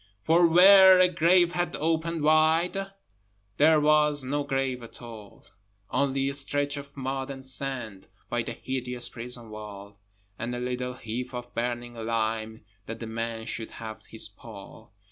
For where a grave had opened wide, There was no grave at all: Only a stretch of mud and sand By the hideous prison wall, And a little heap of burning lime, That the man should have his pall.